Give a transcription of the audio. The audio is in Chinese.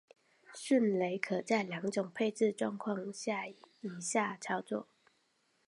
迅雷可在两种配置状态以下操作。